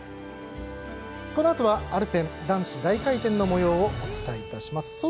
このあとはアルペン男子大回転のもようをお伝えします。